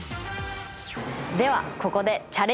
ではここでチャレンジ問題です。